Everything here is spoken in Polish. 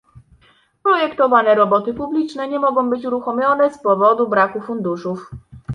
"Projektowane roboty publiczne nie mogą być uruchomione z powodu braku funduszów."